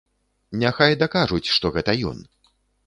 Няхай дакажуць, што гэта ён.